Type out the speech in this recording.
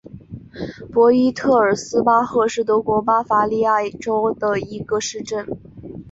博伊特尔斯巴赫是德国巴伐利亚州的一个市镇。